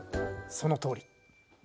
そのとおり。